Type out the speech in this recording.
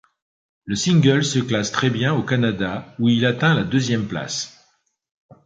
Le single se classe très bien au Canada où il atteint la deuxième place.